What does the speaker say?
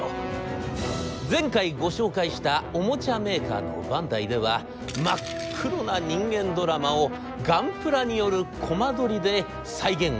前回ご紹介したおもちゃメーカーのバンダイでは真っ黒な人間ドラマをガンプラによるコマ撮りで再現をいたしましたが。